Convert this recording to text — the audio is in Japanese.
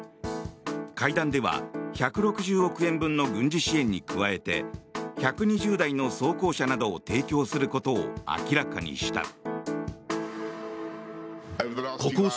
会談では１６０億円分の軍事支援に加えて１２０台の装甲車などを提供することを明らかにした。